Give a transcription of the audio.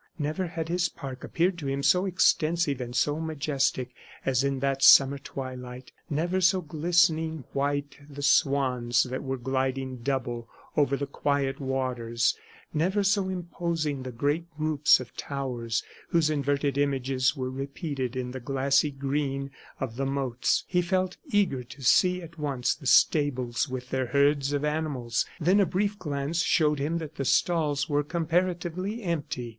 Never had his park appeared to him so extensive and so majestic as in that summer twilight, never so glistening white the swans that were gliding double over the quiet waters, never so imposing the great group of towers whose inverted images were repeated in the glassy green of the moats. He felt eager to see at once the stables with their herds of animals; then a brief glance showed him that the stalls were comparatively empty.